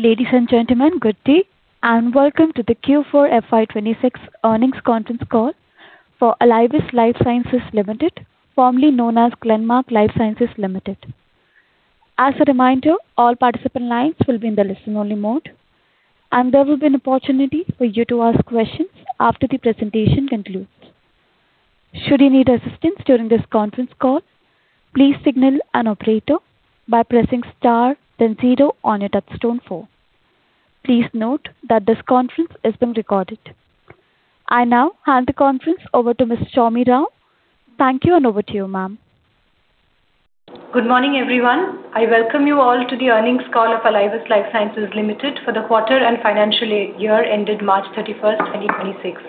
Ladies and gentlemen, good day, welcome to the Q4 FY 2026 earnings conference call for Alivus Life Sciences Limited, formerly known as Glenmark Life Sciences Limited. As a reminder, all participant lines will be in the listen-only mode, there will be an opportunity for you to ask questions after the presentation concludes. Should you need assistance during this conference call, please signal an operator by pressing star then zero on your touchtone phone. Please note that this conference is being recorded. I now hand the conference over to Ms. Soumi Rao. Thank you, over to you, ma'am. Good morning, everyone. I welcome you all to the earnings call of Alivus Life Sciences Limited for the quarter and financial year ended March 31st, 2026.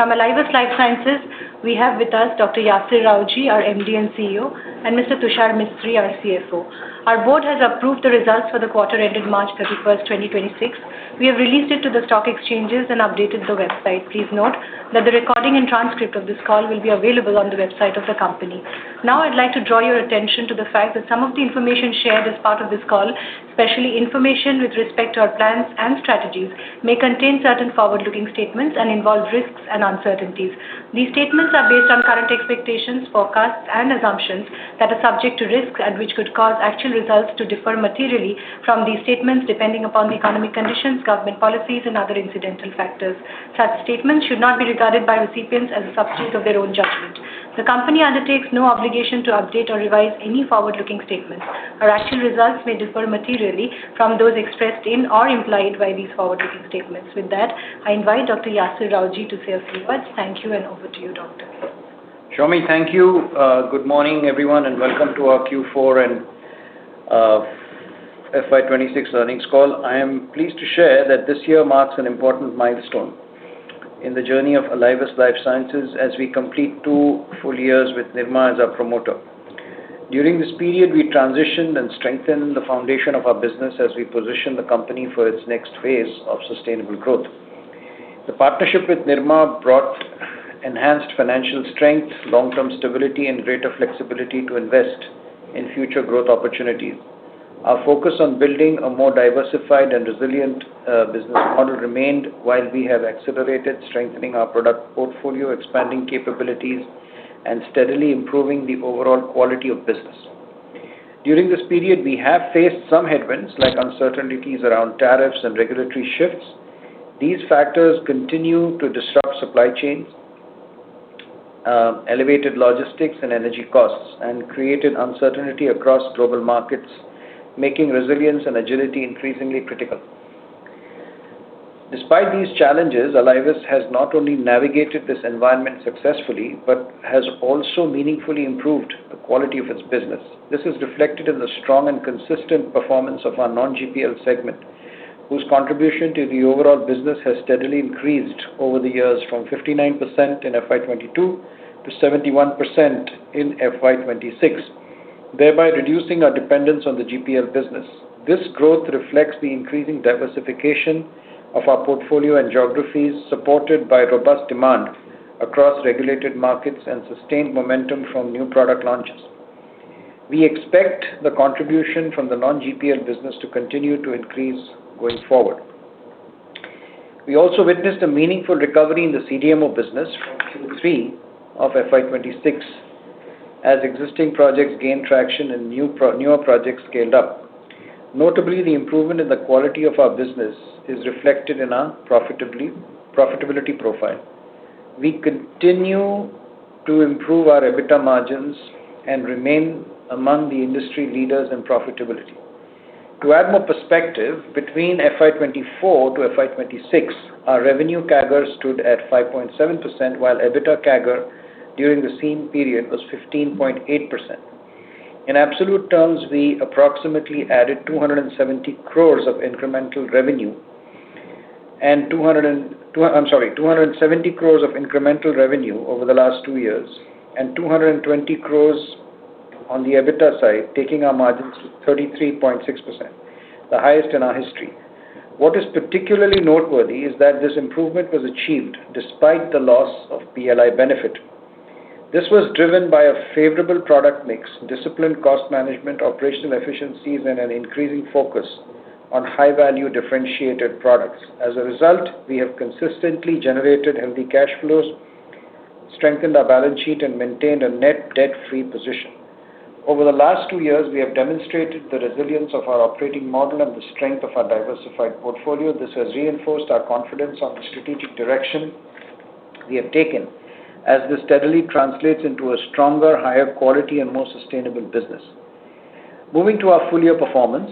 From Alivus Life Sciences, we have with us Dr. Yasir Rawjee, our MD and CEO, and Mr. Tushar Mistry, our CFO. Our board has approved the results for the quarter ending March 31st, 2026. We have released it to the stock exchanges and updated the website. Please note that the recording and transcript of this call will be available on the website of the company. Now I'd like to draw your attention to the fact that some of the information shared as part of this call, especially information with respect to our plans and strategies, may contain certain forward-looking statements and involve risks and uncertainties. These statements are based on current expectations, forecasts, and assumptions that are subject to risks and which could cause actual results to differ materially from these statements depending upon the economic conditions, government policies, and other incidental factors. Such statements should not be regarded by recipients as a substitute of their own judgment. The company undertakes no obligation to update or revise any forward-looking statements. Our actual results may differ materially from those expressed in or implied by these forward-looking statements. With that, I invite Dr. Yasir Rawjee to say a few words. Thank you, and over to you, doctor. Soumi, thank you. Good morning, everyone, and welcome to our Q4 and FY 2026 earnings call. I am pleased to share that this year marks an important milestone in the journey of Alivus Life Sciences as we complete two full-years with Nirma as our promoter. During this period, we transitioned and strengthened the foundation of our business as we position the company for its next phase of sustainable growth. The partnership with Nirma brought enhanced financial strength, long-term stability, and greater flexibility to invest in future growth opportunities. Our focus on building a more diversified and resilient business model remained while we have accelerated strengthening our product portfolio, expanding capabilities, and steadily improving the overall quality of business. During this period, we have faced some headwinds like uncertainties around tariffs and regulatory shifts. These factors continue to disrupt supply chains, elevated logistics and energy costs, and created uncertainty across global markets, making resilience and agility increasingly critical. Despite these challenges, Alivus has not only navigated this environment successfully, but has also meaningfully improved the quality of its business. This is reflected in the strong and consistent performance of our non-GPL segment, whose contribution to the overall business has steadily increased over the years from 59% in FY 2022 to 71% in FY 2026, thereby reducing our dependence on the GPL business. This growth reflects the increasing diversification of our portfolio and geographies supported by robust demand across regulated markets and sustained momentum from new product launches. We expect the contribution from the non-GPL business to continue to increase going forward. We also witnessed a meaningful recovery in the CDMO business from Q3 of FY 2026 as existing projects gained traction and newer projects scaled up. The improvement in the quality of our business is reflected in our profitability profile. We continue to improve our EBITDA margins and remain among the industry leaders in profitability. To add more perspective, between FY 2024-FY 2026, our revenue CAGR stood at 5.7%, while EBITDA CAGR during the same period was 15.8%. In absolute terms, we approximately added 270 crores of incremental revenue over the last two years and 220 crores on the EBITDA side, taking our margins to 33.6%, the highest in our history. What is particularly noteworthy is that this improvement was achieved despite the loss of PLI benefit. This was driven by a favorable product mix, disciplined cost management, operational efficiencies, and an increasing focus on high-value differentiated products. As a result, we have consistently generated healthy cash flows, strengthened our balance sheet, and maintained a net debt-free position. Over the last two years, we have demonstrated the resilience of our operating model and the strength of our diversified portfolio. This has reinforced our confidence on the strategic direction we have taken as this steadily translates into a stronger, higher quality and more sustainable business. Moving to our full-year performance,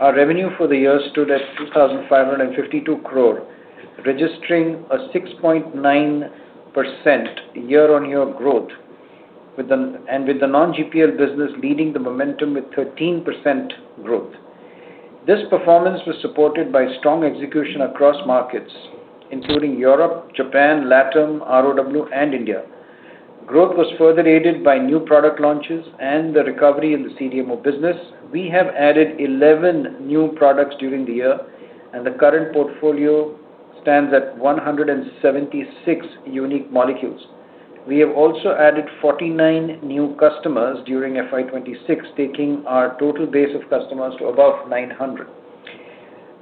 our revenue for the year stood at 2,552 crore, registering a 6.9% year-on-year growth with the non-GPL business leading the momentum with 13% growth. This performance was supported by strong execution across markets, including Europe, Japan, LATAM, ROW and India. Growth was further aided by new product launches and the recovery in the CDMO business. We have added 11 new products during the year, and the current portfolio stands at 176 unique molecules. We have also added 49 new customers during FY 2026, taking our total base of customers to above 900.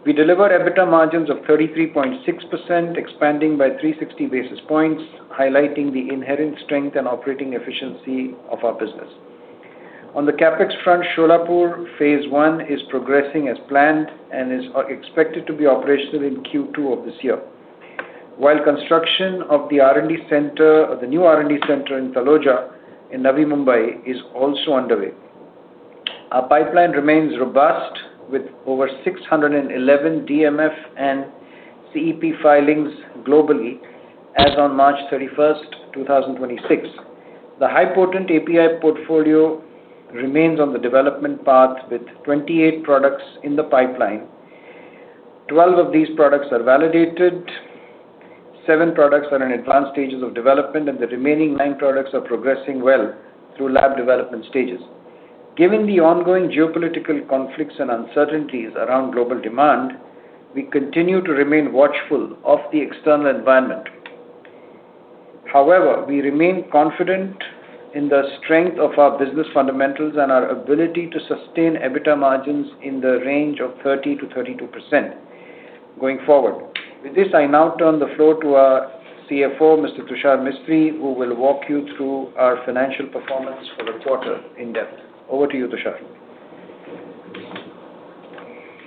We deliver EBITDA margins of 33.6%, expanding by 360 basis points, highlighting the inherent strength and operating efficiency of our business. On the CapEx front, Solapur phase I is progressing as planned and is expected to be operational in Q2 of this year, while construction of the new R&D center in Taloja in Navi Mumbai is also underway. Our pipeline remains robust with over 611 DMF and CEP filings globally as on March 31st, 2026. The high potent API portfolio remains on the development path with 28 products in the pipeline. 12 of these products are validated, seven products are in advanced stages of development, and the remaining nine products are progressing well through lab development stages. Given the ongoing geopolitical conflicts and uncertainties around global demand, we continue to remain watchful of the external environment. However, we remain confident in the strength of our business fundamentals and our ability to sustain EBITDA margins in the range of 30%-32% going forward. With this, I now turn the floor to our CFO, Mr. Tushar Mistry, who will walk you through our financial performance for the quarter in depth. Over to you, Tushar.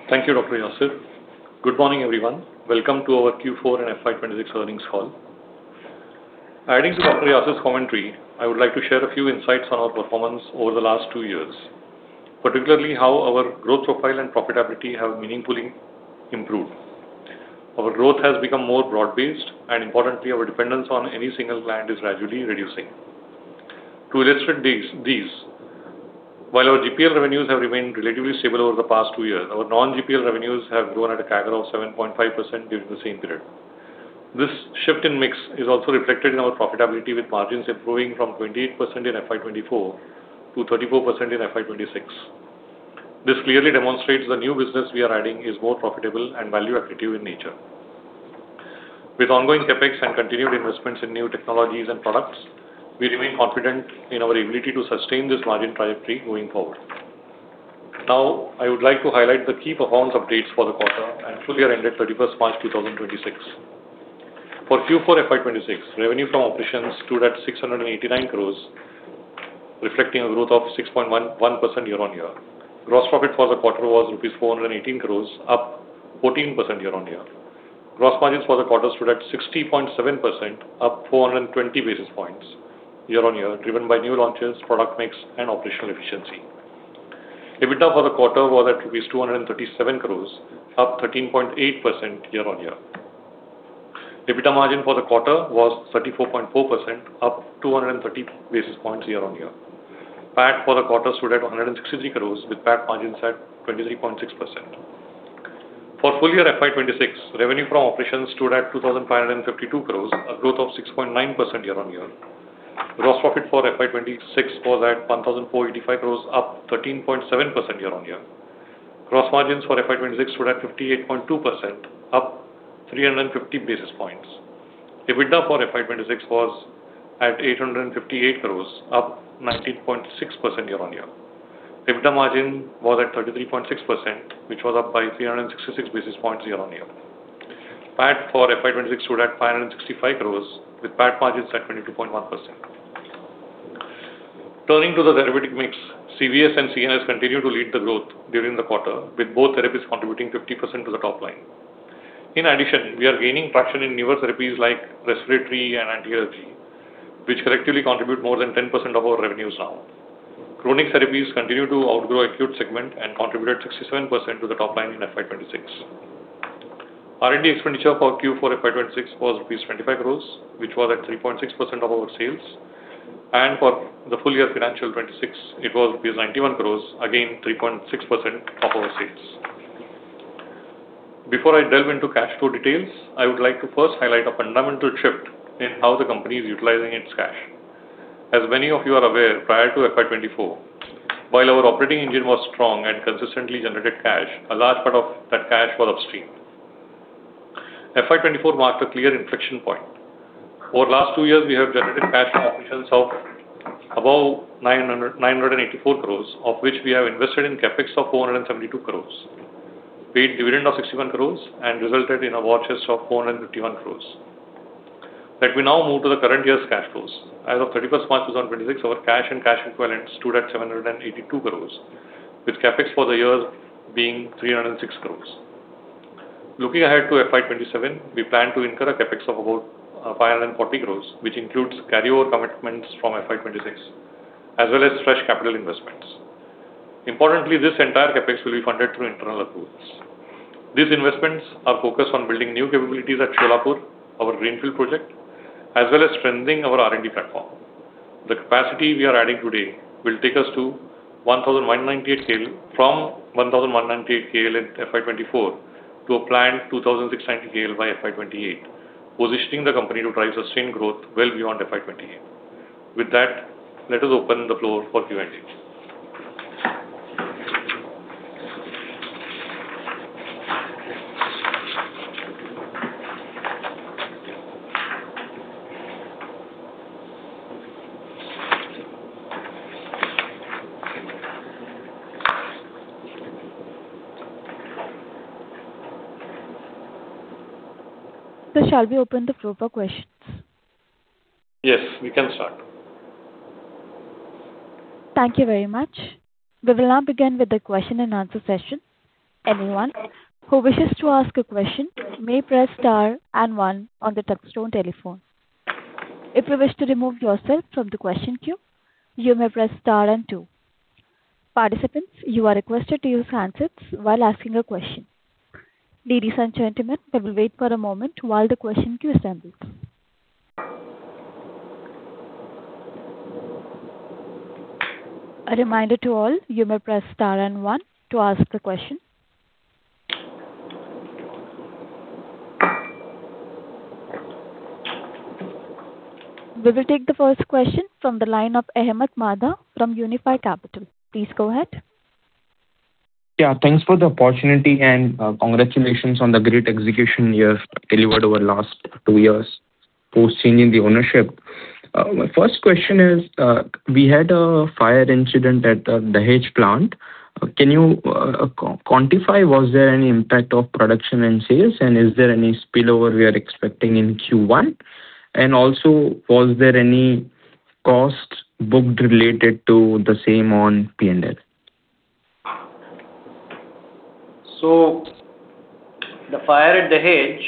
Thank you, Dr. Yasir. Good morning, everyone. Welcome to our Q4 and FY 2026 earnings call. Adding to Dr. Yasir's commentary, I would like to share a few insights on our performance over the last two years, particularly how our growth profile and profitability have meaningfully improved. Our growth has become more broad-based, and importantly, our dependence on any single client is gradually reducing. To illustrate these, while our GPL revenues have remained relatively stable over the past two years, our non-GPL revenues have grown at a CAGR of 7.5% during the same period. This shift in mix is also reflected in our profitability, with margins improving from 28% in FY 2024 to 34% in FY 2026. This clearly demonstrates the new business we are adding is more profitable and value accretive in nature. With ongoing CapEx and continued investments in new technologies and products, we remain confident in our ability to sustain this margin trajectory going forward. Now, I would like to highlight the key performance updates for the quarter and full-year ended March 31st, 2026. For Q4 FY 2026, revenue from operations stood at 689 crores, reflecting a growth of 6.11% year-on-year. Gross profit for the quarter was rupees 418 crores, up 14% year-on-year. Gross margins for the quarter stood at 60.7%, up 420 basis points year-on-year, driven by new launches, product mix, and operational efficiency. EBITDA for the quarter was at INR 237 crores, up 13.8% year-on-year. EBITDA margin for the quarter was 34.4%, up 230 basis points year-on-year. PAT for the quarter stood at 163 crores, with PAT margins at 23.6%. For full-year FY 2026, revenue from operations stood at 2,552 crores, a growth of 6.9% year-on-year. Gross profit for FY 2026 was at 1,485 crores, up 13.7% year-on-year. Gross margins for FY 2026 stood at 58.2%, up 350 basis points. EBITDA for FY 2026 was at 858 crores, up 19.6% year-on-year. EBITDA margin was at 33.6%, which was up by 366 basis points year-on-year. PAT for FY 2026 stood at 565 crores, with PAT margins at 22.1%. Turning to the therapeutic mix, CVS and CNS continue to lead the growth during the quarter, with both therapies contributing 50% to the top line. We are gaining traction in newer therapies like respiratory and anti-allergy, which collectively contribute more than 10% of our revenues now. Chronic therapies continue to outgrow acute segment and contributed 67% to the top line in FY 2026. R&D expenditure for Q4 FY 2026 was rupees 25 crores, which was at 3.6% of our sales. For the full-year FY 2026, it was 91 crores, again 3.6% of our sales. Before I delve into cash flow details, I would like to first highlight a fundamental shift in how the company is utilizing its cash. As many of you are aware, prior to FY 2024, while our operating engine was strong and consistently generated cash, a large part of that cash was upstreamed. FY 2024 marked a clear inflection point. Over last two years, we have generated cash from operations of above 984 crores, of which we have invested in CapEx of 472 crores, paid dividend of 61 crores, and resulted in a war chest of 451 crores. Let me now move to the current year's cash flows. As of 31st March 2026, our cash and cash equivalents stood at 782 crores, with CapEx for the year being 306 crores. Looking ahead to FY 2027, we plan to incur a CapEx of about 540 crores, which includes carryover commitments from FY 2026, as well as fresh capital investments. Importantly, this entire CapEx will be funded through internal resources. These investments are focused on building new capabilities at Solapur, our greenfield project, as well as strengthening our R&D platform. The capacity we are adding today will take us from 1,198 KL in FY 2024 to a planned 2,690 KL by FY 2028, positioning the company to drive sustained growth well beyond FY 2028. With that, let us open the floor for Q&A. Shall we open the floor for questions? Yes, we can start. Thank you very much. We will now begin with the question-and-answer session. Anyone who wishes to ask a question may press star and one on the touch-tone telephone. If you wish to remove yourself from the question queue, you may press star and two. Participants, you are requested to use handsets while asking a question. Ladies and gentlemen, we will wait for a moment while the question queue assembles. A reminder to all, you may press star and one to ask the question. We will take the first question from the line of Ahmed Madha from Unifi Capital. Please go ahead. Thanks for the opportunity and congratulations on the great execution you have delivered over last two years post changing the ownership. My first question is, we had a fire incident at Dahej plant. Can you quantify, was there any impact of production and sales, and is there any spillover we are expecting in Q1? Also, was there any costs booked related to the same on P&L? The fire at Dahej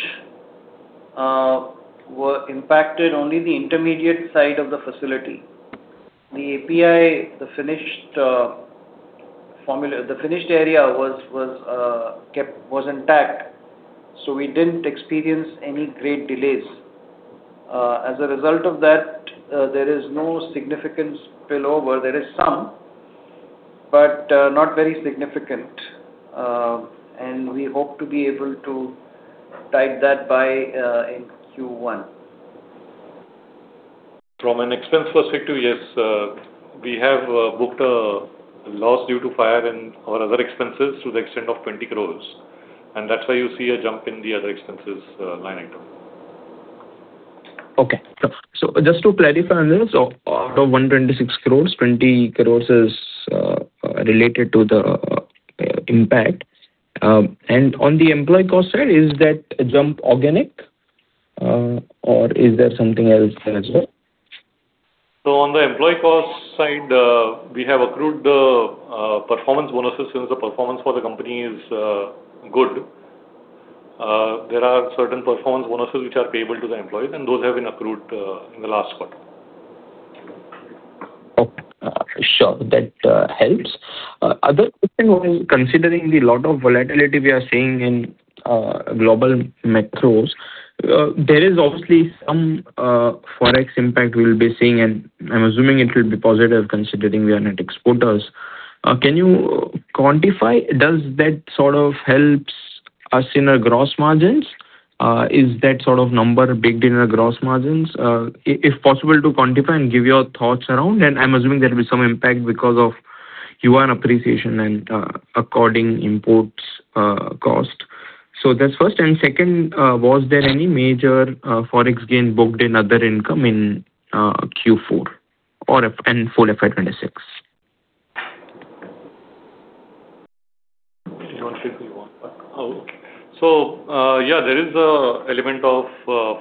were impacted only the intermediate side of the facility. The API, the finished area was intact, so we didn't experience any great delays. As a result of that, there is no significant spillover. There is some, but not very significant. We hope to be able to tight that by in Q1. From an expense perspective, yes, we have booked a loss due to fire in our other expenses to the extent of 20 crores. That's why you see a jump in the other expenses line item. Okay. So just to clarify on this, out of 126 crores, 20 crores is related to the impact. On the employee cost side, is that jump organic, or is there something else there as well? On the employee cost side, we have accrued the performance bonuses since the performance for the company is good. There are certain performance bonuses which are payable to the employees, and those have been accrued in the last quarter. Okay. Sure. That helps. Other question was considering the lot of volatility we are seeing in global macros, there is obviously some Forex impact we'll be seeing, and I'm assuming it will be positive considering we are net exporters. Can you quantify does that sort of helps us in our gross margins? Is that sort of number baked in our gross margins? If possible to quantify and give your thoughts around, I'm assuming there'll be some impact because of yuan appreciation and according imports cost. That's first. Second, was there any major Forex gain booked in other income in Q4 or full FY 2026? Do you want to take the one, sir? Oh, okay. Yeah, there is a element of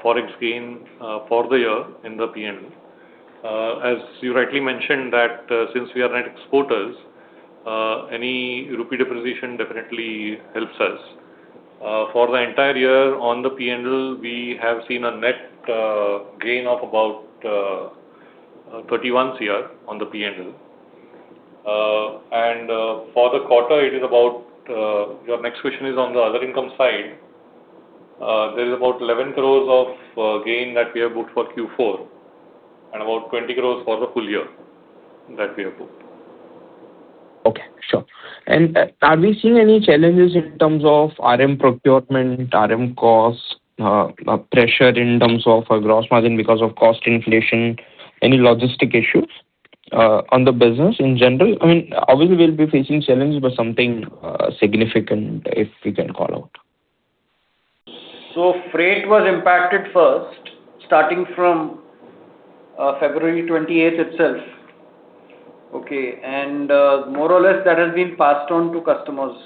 Forex gain for the year in the P&L. As you rightly mentioned that, since we are net exporters, any rupee depreciation definitely helps us. For the entire year on the P&L, we have seen a net gain of about 31 crore on the P&L. Your next question is on the other income side. There is about 11 crore of gain that we have booked for Q4 and about 20 crore for the full-year that we have booked. Okay. Sure. Are we seeing any challenges in terms of RM procurement, RM costs, pressure in terms of gross margin because of cost inflation, any logistics issues on the business in general? I mean, obviously we'll be facing challenges, but something significant if you can call out. Freight was impacted first, starting from February 28th itself. More or less that has been passed on to customers.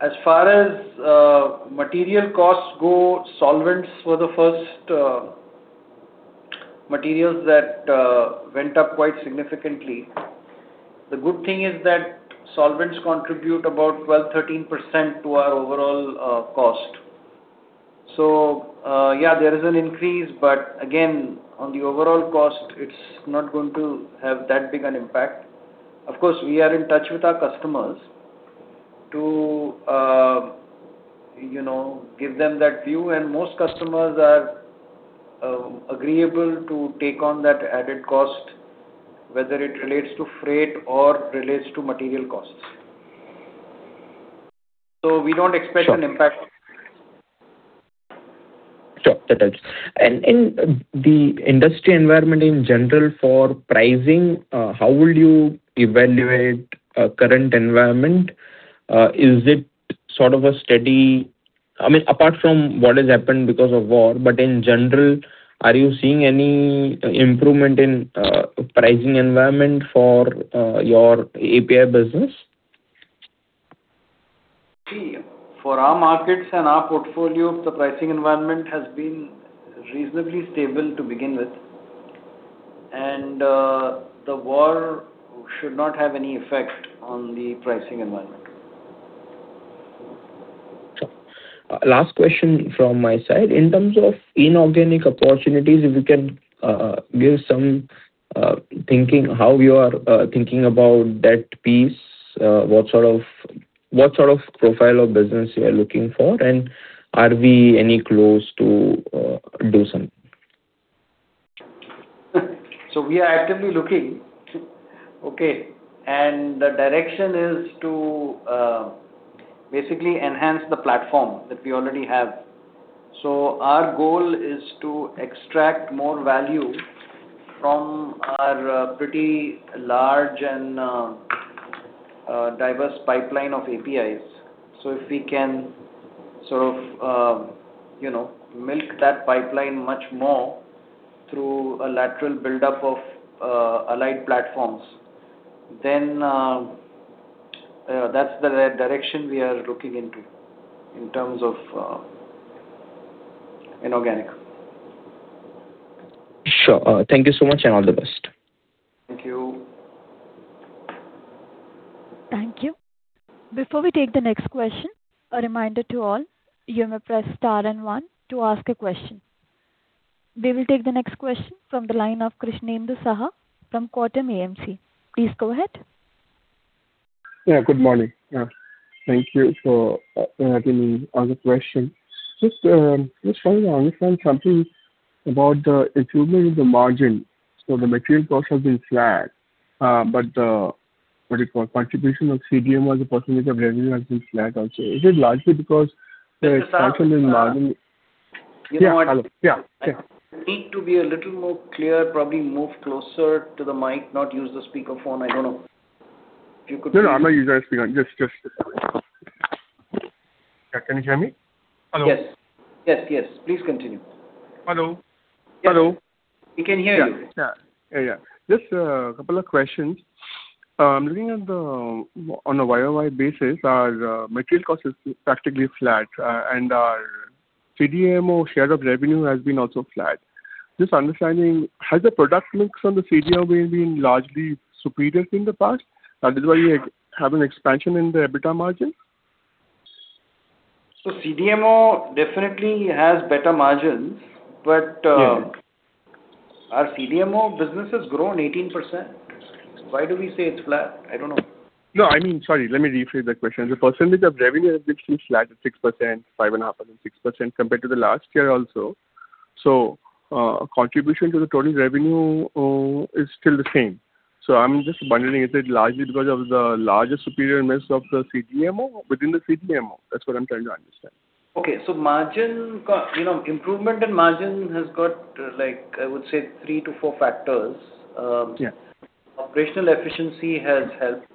As far as material costs go, solvents were the first materials that went up quite significantly. The good thing is that solvents contribute about 12%, 13% to our overall cost. Yeah, there is an increase, but again, on the overall cost, it's not going to have that big an impact. Of course, we are in touch with our customers to, you know, give them that view, and most customers are agreeable to take on that added cost, whether it relates to freight or relates to material costs. We don't expect an impact Sure, that helps. In the industry environment in general for pricing, how would you evaluate current environment? Is it sort of a steady I mean, apart from what has happened because of war, but in general, are you seeing any improvement in pricing environment for your API business? See, for our markets and our portfolio, the pricing environment has been reasonably stable to begin with. The war should not have any effect on the pricing environment. Sure. Last question from my side. In terms of inorganic opportunities, if you can give some thinking how you are thinking about that piece, what sort of profile of business you are looking for, and are we any close to do something? We are actively looking. Okay. The direction is to basically enhance the platform that we already have. Our goal is to extract more value from our pretty large and diverse pipeline of APIs. If we can sort of, you know, milk that pipeline much more through a lateral buildup of allied platforms, then, that's the direction we are looking into in terms of inorganic. Sure. Thank you so much, and all the best. Thank you. Thank you. Before we take the next question, a reminder to all, you may press star and then one to ask a question. We will take the next question from the line of Krishnendu Saha from Quantum AMC. Please go ahead. Yeah, good morning. Thank you for letting me ask a question. Just following on, just one something about the improvement in the margin. The material cost has been flat, but the what do you call? Contribution of CDMO as a percentage of revenue has been flat also. Is it largely because the expansion in margin- Mr. Saha, Yeah. Hello. Yeah. You know what? Yeah. I need to be a little more clear, probably move closer to the mic, not use the speaker phone. I don't know. No, no, I'm not using a speaker. Just Yeah. Can you hear me? Hello. Yes. Yes, yes. Please continue. Hello? Hello? We can hear you. Yeah, yeah. Just a couple of questions. On a YOY basis, our material cost is practically flat, and our CDMO share of revenue has been also flat. Just understanding, has the product mix on the CDMO been largely superior in the past, and that is why you have an expansion in the EBITDA margin? CDMO definitely has better margins, but. Yeah our CDMO business has grown 18%. Why do we say it's flat? I don't know. No, I mean Sorry, let me rephrase that question. The percentage of revenue has been flat at 6%, 5.5%, 6% compared to the last year also. Contribution to the total revenue is still the same. I'm just wondering, is it largely because of the larger superior mix of the CDMO within the CDMO? That's what I'm trying to understand. Okay. You know, improvement in margin has got, like, I would say three to four factors. Yeah operational efficiency has helped.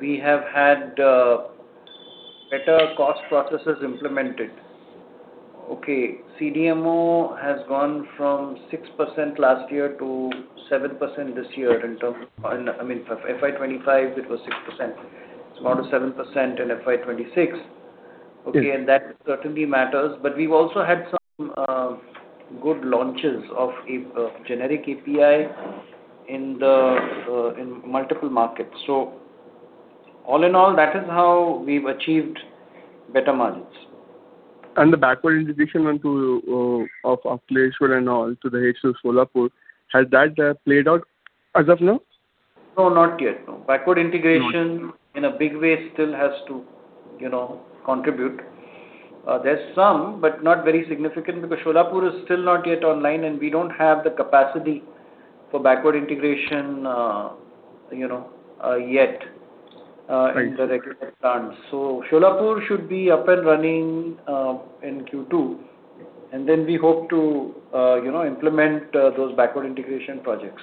We have had better cost processes implemented. Okay. CDMO has gone from 6% last year to 7% this year. I mean, FY 2025 it was 6%. It's gone to 7% in FY 2026. Yes. Okay. That certainly matters. We've also had some good launches of a generic API in multiple markets. All in all, that is how we've achieved better margins. The backward integration into of Ankleshwar and all to the HS of Solapur, has that played out as of now? No, not yet. No. Backward integration. No in a big way still has to, you know, contribute. There's some, but not very significant because Solapur is still not yet online, and we don't have the capacity for backward integration, you know, yet. Right in the regular plants. Solapur should be up and running in Q2. We hope to, you know, implement those backward integration projects.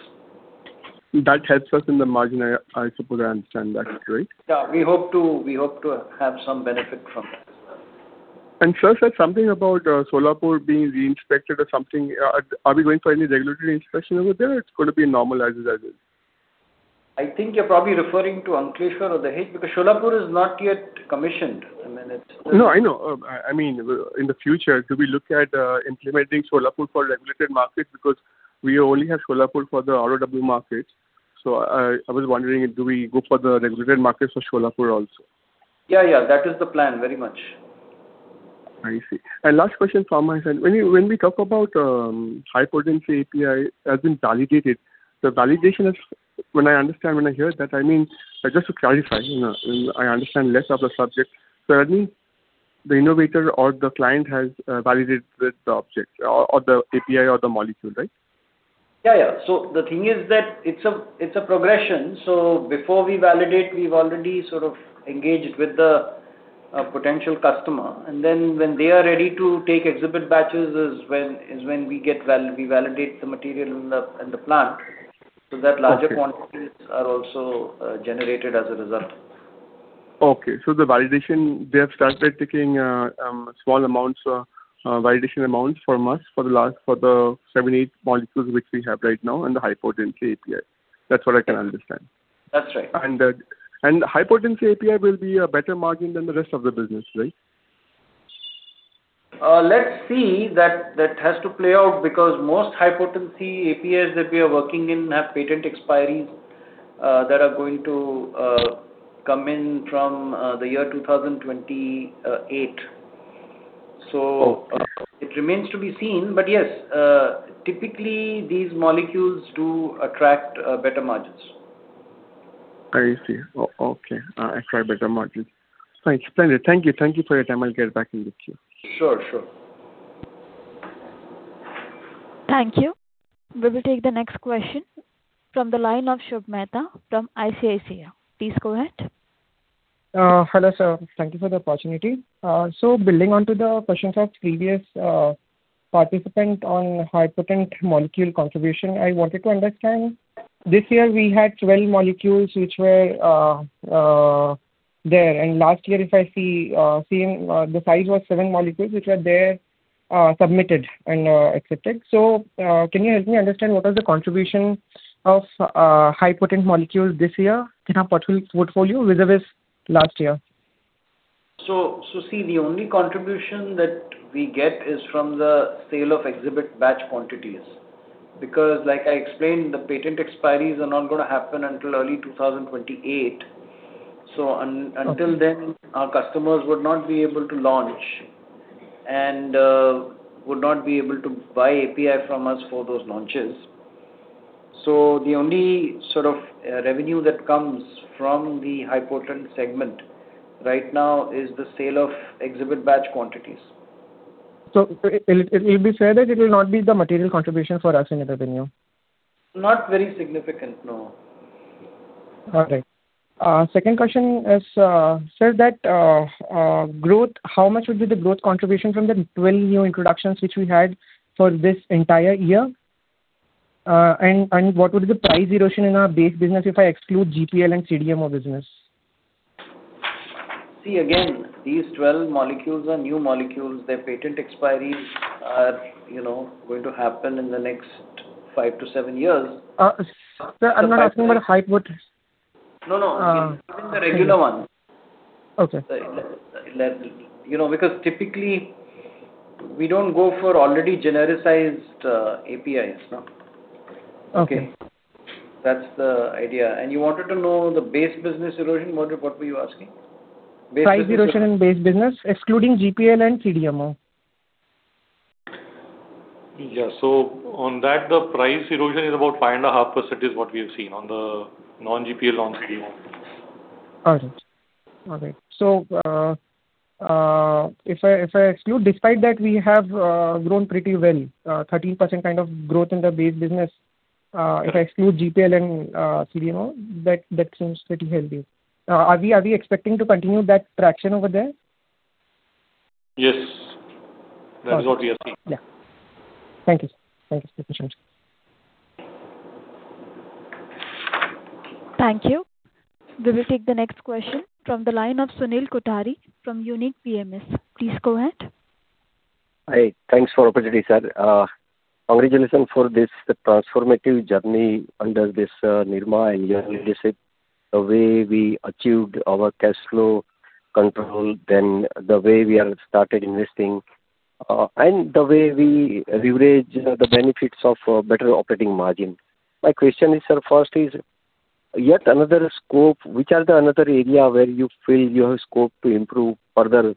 That helps us in the margin, I suppose I understand that, right? Yeah. We hope to have some benefit from that as well. Sir said something about Solapur being re-inspected or something. Are we going for any regulatory inspection over there, or it's gonna be normal as is? I think you're probably referring to Ankleshwar or Dahej because Solapur is not yet commissioned. I mean. No, I know. I mean, in the future, do we look at implementing Solapur for regulated markets? Because we only have Solapur for the ROW markets. I was wondering if do we go for the regulated markets for Solapur also. Yeah, yeah. That is the plan very much. I see. Last question from my side. When we talk about high potency API has been validated, when I understand when I hear that, I mean, just to clarify, you know, I understand less of the subject. Certainly the innovator or the client has validated the object or the API or the molecule, right? Yeah, yeah. The thing is that it's a, it's a progression. Before we validate, we've already sort of engaged with the potential customer. When they are ready to take exhibit batches is when we validate the material in the plant. Okay. That larger quantities are also generated as a result. Okay. The validation, they have started taking small amounts, validation amounts from us for the seven, eight molecules which we have right now in the high potency API. That's what I can understand. That's right. High potency API will be a better margin than the rest of the business, right? Let's see. That has to play out because most high potency APIs that we are working in have patent expiries that are going to come in from the year 2028. Oh, okay. It remains to be seen. Yes, typically these molecules do attract better margins. I see. Okay. Attract better margins. Thanks. Splendid. Thank you. Thank you for your time. I'll get back in with you. Sure, sure. Thank you. We will take the next question from the line of Shubh Mehta from ICICI. Please go ahead. Hello, sir. Thank you for the opportunity. Building on to the questions of previous participant on high potent molecule contribution, I wanted to understand. This year we had 12 molecules which were there, and last year if I see, seeing, the size was seven molecules which were there, submitted and accepted. Can you help me understand what was the contribution of high potent molecules this year in our portfolio vis-a-vis last year? See, the only contribution that we get is from the sale of exhibit batch quantities. Like I explained, the patent expiries are not going to happen until early 2028. Okay. Until then, our customers would not be able to launch and would not be able to buy API from us for those launches. The only sort of revenue that comes from the high potent segment right now is the sale of exhibit batch quantities. It will be fair that it will not be the material contribution for us in your opinion? Not very significant, no. All right. Second question is, sir, that growth, how much would be the growth contribution from the 12 new introductions which we had for this entire year? What would be the price erosion in our base business if I exclude GPL and CDMO business? See, again, these 12 molecules are new molecules. Their patent expiries are, you know, going to happen in the next five to seven years. Sir, I'm not asking about high potent. No, no. Even the regular ones. Okay. The level. You know, because typically we don't go for already genericized APIs, no? Okay. That's the idea. You wanted to know the base business erosion. What were you asking? Price erosion in base business excluding GPL and CDMO. Yeah. On that, the price erosion is about 5.5% is what we have seen on the non-GPL, non-CDMO. All right. All right. If I exclude despite that, we have grown pretty well, 13% kind of growth in the base business. Correct. If I exclude GPL and CDMO, that seems pretty healthy. Are we expecting to continue that traction over there? Yes. Okay. That is what we are seeing. Yeah. Thank you, sir. Thank you for your time, sir. Thank you. We will take the next question from the line of Sunil Kothari from Unique AMC. Please go ahead. Hi. Thanks for opportunity, sir. Congratulations for this transformative journey under this Nirma leadership, the way we achieved our cash flow control, then the way we are started investing, and the way we leverage the benefits of better operating margin. My question is, sir, first is: yet another scope, which are the another area where you feel you have scope to improve further,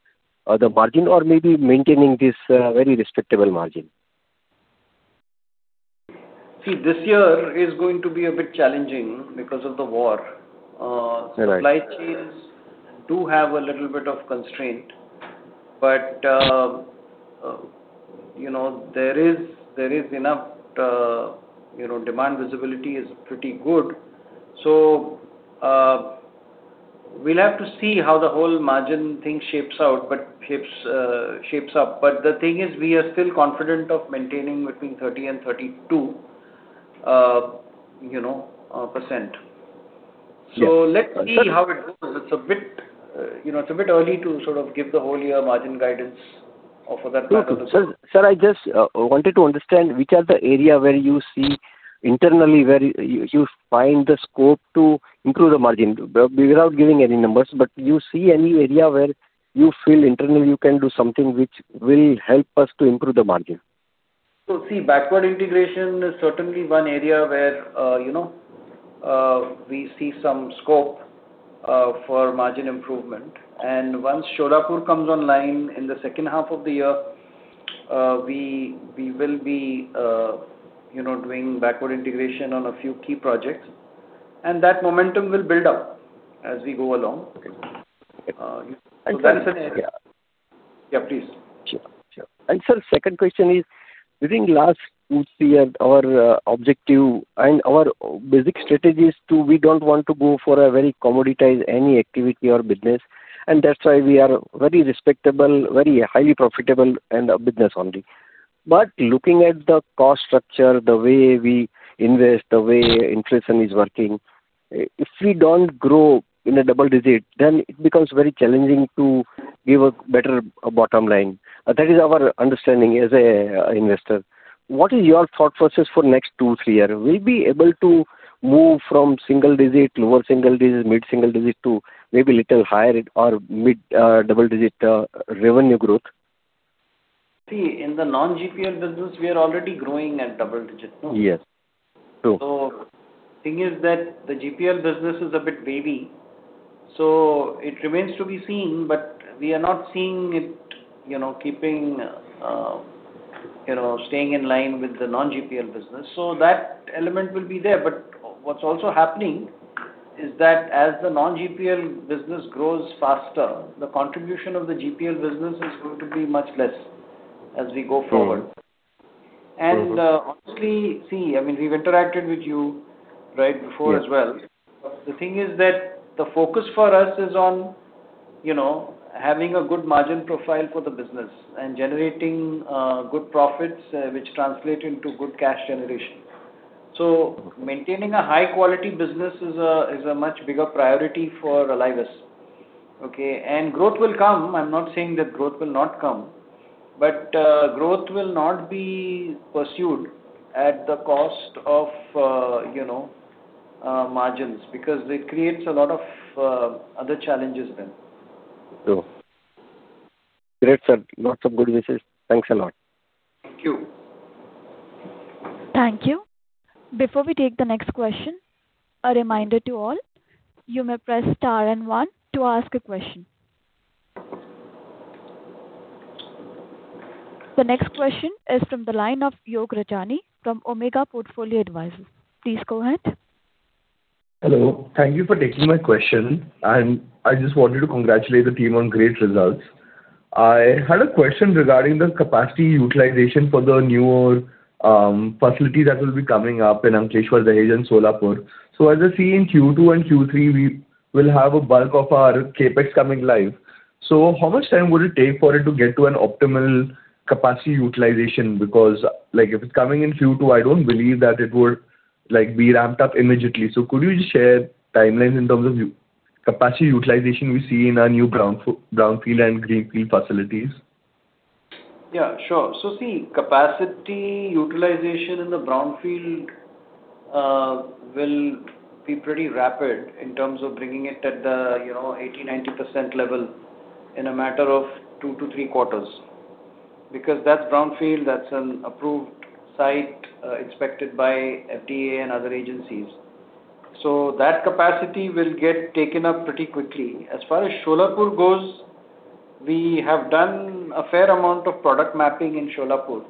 the margin or maybe maintaining this very respectable margin? See, this year is going to be a bit challenging because of the war. Right. Supply chains do have a little bit of constraint. There is, you know, there is enough, you know, demand visibility is pretty good. We'll have to see how the whole margin thing shapes out, but shapes up. The thing is we are still confident of maintaining between 30% and 32%, you know. Yes. Let's see how it goes. It's a bit, you know, it's a bit early to sort of give the whole year margin guidance for that matter. No, no. Sir, sir, I just wanted to understand which are the area where you see internally where you find the scope to improve the margin. Without giving any numbers, you see any area where you feel internally you can do something which will help us to improve the margin? See, backward integration is certainly one area where, you know, we see some scope for margin improvement. Once Solapur comes online in the second half of the year, we will be, you know, doing backward integration on a few key projects, and that momentum will build up as we go along. Okay. That's an area. Yeah, please. Sure, sure. Sir, second question is within last two, three years, our objective and our basic strategy is to we don't want to go for a very commoditize any activity or business, and that's why we are very respectable, very highly profitable and business only. Looking at the cost structure, the way we invest, the way interest is working, if we don't grow in a double-digit, then it becomes very challenging to give a better bottom line. That is our understanding as an investor. What is your thought process for next two, three years? Will we be able to move from single-digit, lower-single-digit, mid-single-digit to maybe little higher or mid-double-digit revenue growth? See, in the non-GPL business, we are already growing at double-digit, no? Yes. True. Thing is that the GPL business is a bit wavy, so it remains to be seen, but we are not seeing it, you know, keeping, you know, staying in line with the non-GPL business. That element will be there. What's also happening is that as the non-GPL business grows faster, the contribution of the GPL business is going to be much less as we go forward. Sure. Honestly, see, I mean, we've interacted with you right before as well. Yeah. The thing is that the focus for us is on, you know, having a good margin profile for the business and generating good profits, which translate into good cash generation. Maintaining a high quality business is a much bigger priority for Alivus. Okay. Growth will come. I'm not saying that growth will not come, but growth will not be pursued at the cost of, you know, margins because it creates a lot of other challenges then. True. Great, sir. Lots of good wishes. Thanks a lot. Thank you. Thank you. Before we take the next question, a reminder to all, you may press star and 1 to ask a question. The next question is from the line of Yog Rajani from Omega Portfolio Advisors. Please go ahead. Hello. Thank you for taking my question, and I just wanted to congratulate the team on great results. I had a question regarding the capacity utilization for the newer facility that will be coming up in Ankleshwar, Dahej and Solapur. As I see in Q2 and Q3, we will have a bulk of our CapEx coming live. How much time would it take for it to get to an optimal capacity utilization? Like, if it's coming in Q2, I don't believe that it would, like, be ramped up immediately. Could you just share timelines in terms of capacity utilization we see in our new brownfield and greenfield facilities? Yeah, sure. See, capacity utilization in the brownfield will be pretty rapid in terms of bringing it at the, you know, 80%, 90% level in a matter of two to three quarters. Because that's brownfield, that's an approved site, inspected by FDA and other agencies. That capacity will get taken up pretty quickly. As far as Solapur goes, we have done a fair amount of product mapping in Solapur.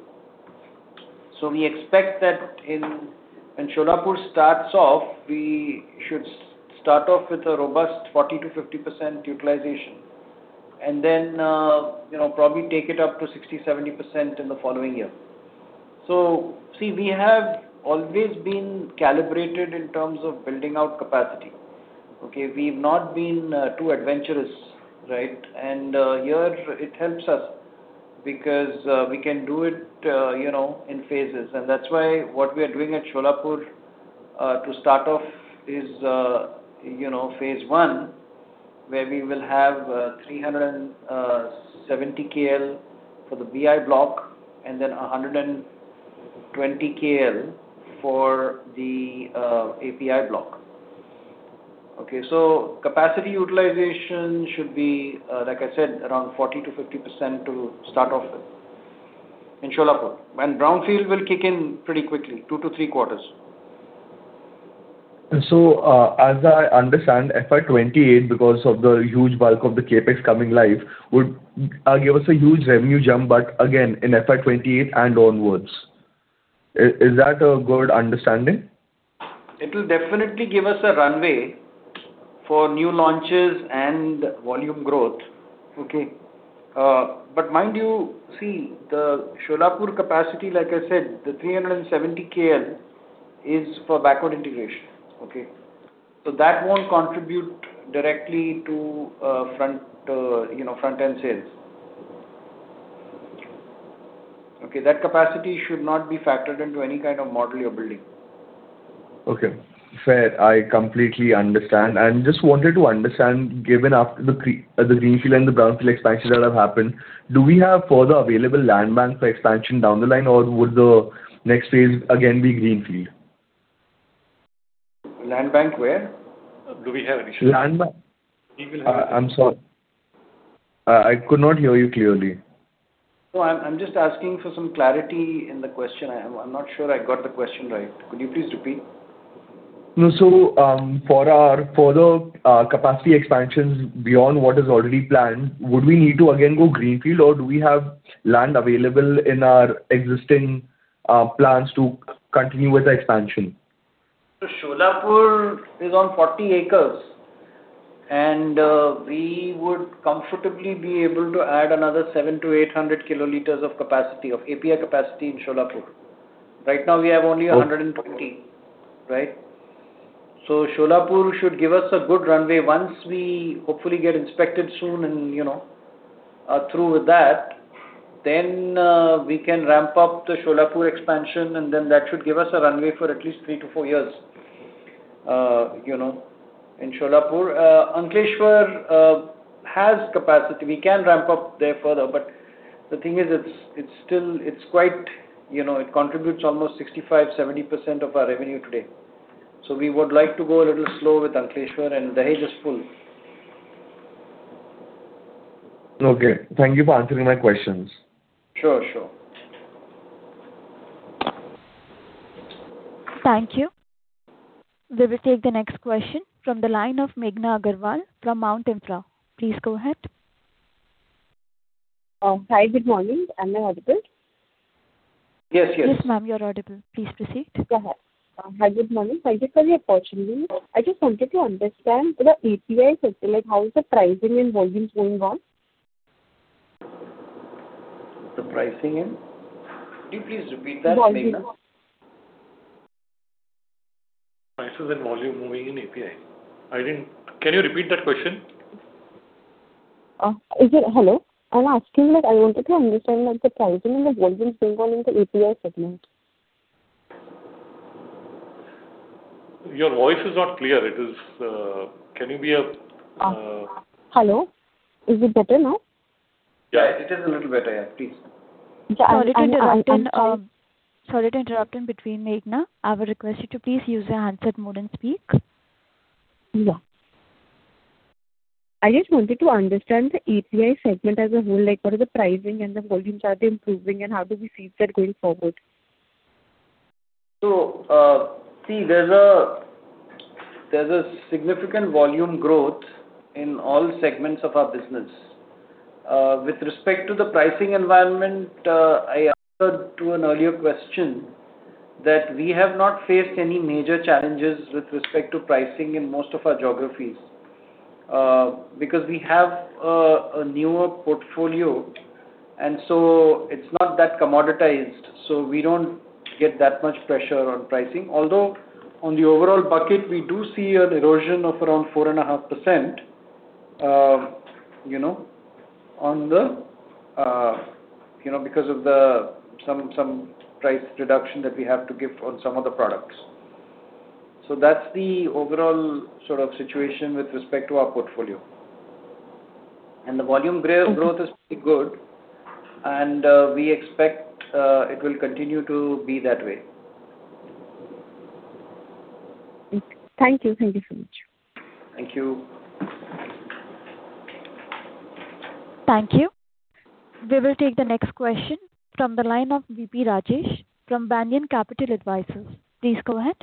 We expect that when Solapur starts off, we should start off with a robust 40%-50% utilization and then, you know, probably take it up to 60%, 70% in the following year. See, we have always been calibrated in terms of building out capacity. Okay. We've not been too adventurous, right? Here it helps us because we can do it, you know, in phases. That's why what we are doing at Solapur, to start off is, you know, phase I, where we will have 370 KL for the BI block and then 120 KL for the API block. Okay, capacity utilization should be, like I said, around 40%-50% to start off with in Solapur. Brownfield will kick in pretty quickly, two to three quarters. As I understand, FY 2028, because of the huge bulk of the CapEx coming live, would give us a huge revenue jump, but again in FY 2028 and onwards. Is that a good understanding? It will definitely give us a runway for new launches and volume growth. Okay. Mind you, see, the Solapur capacity, like I said, the 370 KL is for backward integration. Okay. That won't contribute directly to, you know, front-end sales. Okay. That capacity should not be factored into any kind of model you're building. Okay. Fair. I completely understand. Just wanted to understand, given after the greenfield and the brownfield expansions that have happened, do we have further available land banks for expansion down the line, or would the next phase again be greenfield? Land bank where? Do we have any land bank? Land ba- He will help you. I'm sorry. I could not hear you clearly. No, I'm just asking for some clarity in the question. I'm not sure I got the question right. Could you please repeat? No. For our further capacity expansions beyond what is already planned, would we need to again go greenfield, or do we have land available in our existing plans to continue with the expansion? Solapur is on 40 acres, and we would comfortably be able to add another 700-800 kl of capacity, of API capacity in Solapur. Right now we have only 120, right? Solapur should give us a good runway once we hopefully get inspected soon and, you know, through with that. We can ramp up the Solapur expansion, and then that should give us a runway for at least three to four years, you know, in Solapur. Ankleshwar has capacity. We can ramp up there further, but the thing is it's still quite You know, it contributes almost 65%-70% of our revenue today. We would like to go a little slow with Ankleshwar, and Dahej is full. Okay. Thank you for answering my questions. Sure, sure. Thank you. We will take the next question from the line of Meghna Agarwal from Mount Infra. Please go ahead. Hi, good morning. Am I audible? Yes, yes. Yes, ma'am, you're audible. Please proceed. Go ahead. Hi, good morning. Thank you for the opportunity. I just wanted to understand the API sector, like how is the pricing and volumes going on? Could you please repeat that, Meghna? Volumes go- Prices and volume moving in API. Can you repeat that question? is it Hello? I'm asking like I wanted to understand like the pricing and the volumes going on in the API segment. Your voice is not clear. It is. Hello? Is it better now? Yeah. It is a little better, yeah. Please. Yeah, I'm sorry. Sorry to interrupt in between, Meghna. I would request you to please use a handset mode and speak. Yeah. I just wanted to understand the API segment as a whole, like what is the pricing and the volumes, are they improving, and how do we see that going forward? See, there's a significant volume growth in all segments of our business. With respect to the pricing environment, I answered to an earlier question that we have not faced any major challenges with respect to pricing in most of our geographies. Because we have a newer portfolio and so it's not that commoditized, so we don't get that much pressure on pricing. Although on the overall bucket we do see an erosion of around 4.5%, you know, on the, you know, because of the some price reduction that we have to give on some of the products. That's the overall sort of situation with respect to our portfolio. Okay. growth is pretty good and, we expect, it will continue to be that way. Thank you. Thank you so much. Thank you. Thank you. We will take the next question from the line of VP Rajesh from Banyan Capital Advisors. Please go ahead.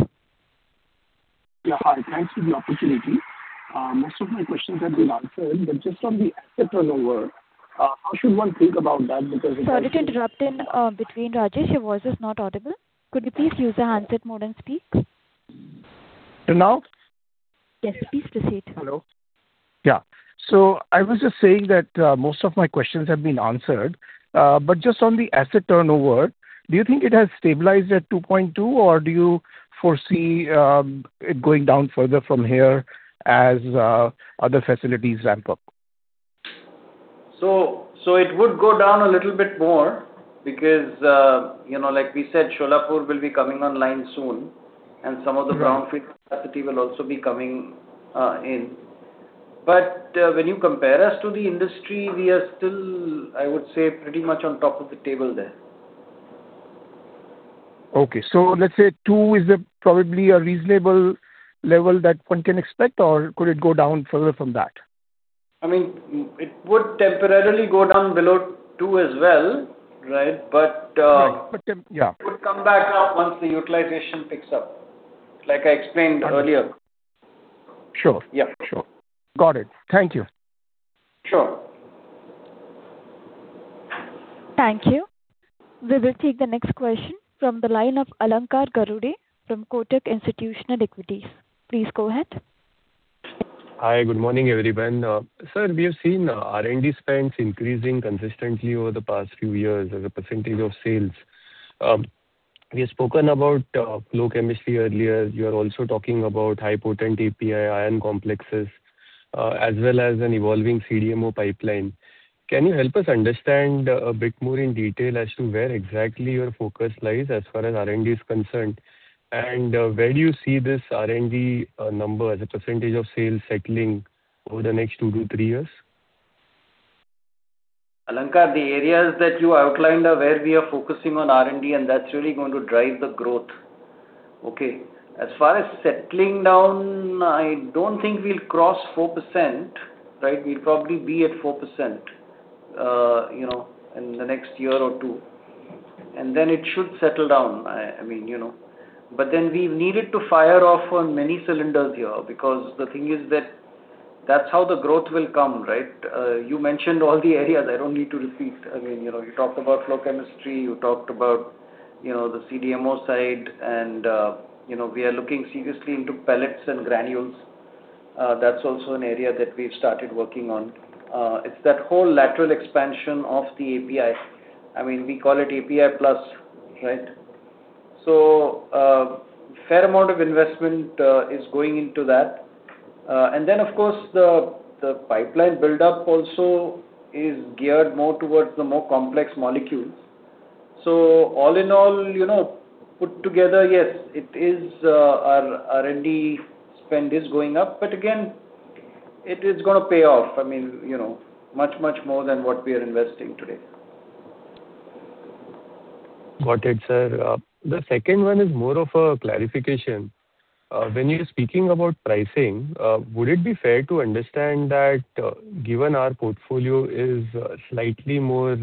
Yeah, hi. Thanks for the opportunity. Most of my questions have been answered, but just on the asset turnover, how should one think about that? Sorry to interrupt in between, Rajesh. Your voice is not audible. Could you please use a handset mode and speak? Now? Yes, please proceed. Hello. Yeah. I was just saying that most of my questions have been answered. Just on the asset turnover, do you think it has stabilized at 2.2 or do you foresee it going down further from here as other facilities ramp up? It would go down a little bit more because, you know, like we said, Solapur will be coming online soon and some of the brownfield capacity will also be coming in. When you compare us to the industry, we are still, I would say, pretty much on top of the table there. Okay. let's say 2 is a probably a reasonable level that one can expect or could it go down further from that? I mean, it would temporarily go down below two as well, right? Right. Yeah. It would come back up once the utilization picks up, like I explained earlier. Sure. Yeah. Sure. Got it. Thank you. Sure. Thank you. We will take the next question from the line of Alankar Garude from Kotak Institutional Equities. Please go ahead. Hi, good morning, everyone. Sir, we have seen R&D spends increasing consistently over the past few years as a percentage of sales. We have spoken about flow chemistry earlier. You are also talking about high potent API, ion complexes, as well as an evolving CDMO pipeline. Can you help us understand a bit more in detail as to where exactly your focus lies as far as R&D is concerned? Where do you see this R&D number as a percentageof sales settling over the next two to three years? Alankar, the areas that you outlined are where we are focusing on R&D and that's really going to drive the growth. Okay. As far as settling down, I don't think we'll cross 4%, right? We'll probably be at 4%, you know, in the next year or two. Then it should settle down. I mean, you know. Then we've needed to fire off on many cylinders here because the thing is that that's how the growth will come, right? You mentioned all the areas. I don't need to repeat. I mean, you know, you talked about flow chemistry, you talked about, you know, the CDMO side and, you know, we are looking seriously into pellets and granules. That's also an area that we've started working on. It's that whole lateral expansion of the API. I mean, we call it API plus, right? Fair amount of investment is going into that. Of course the pipeline buildup also is geared more towards the more complex molecules. All in all, you know, put together, yes, it is our R&D spend is going up, but again, it is gonna pay off. I mean, you know, much, much more than what we are investing today. Got it, sir. The second one is more of a clarification. When you're speaking about pricing, would it be fair to understand that, given our portfolio is slightly more